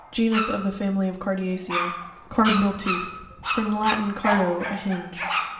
—Genus of the family of Cardiacea. CarpviNaL (tooth).—From the Latin cardo, a hinge.